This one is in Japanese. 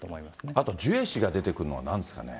あとジュエ氏が出てくるのはなんですかね。